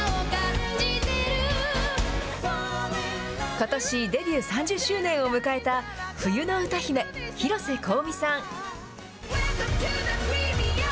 ことし、デビュー３０周年を迎えた冬の歌姫、広瀬香美さん。